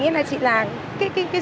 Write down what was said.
thì tại sao chị lại giúp bạn nhỏ ạ